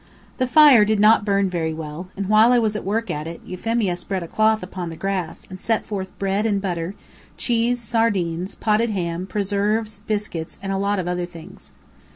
The fire did not burn very well, and while I was at work at it, Euphemia spread a cloth upon the grass, and set forth bread and butter, cheese, sardines, potted ham, preserves, biscuits, and a lot of other things.